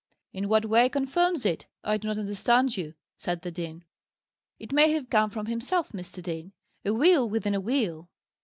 "In what way confirms it? I do not understand you," said the dean. "It may have come from himself, Mr. Dean. A wheel within a wheel."